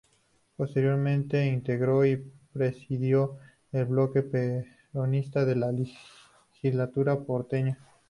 Posteriormente, integró y presidió el bloque peronista de la Legislatura porteña.